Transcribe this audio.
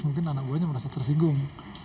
mungkin anak buahnya merasa tersinggung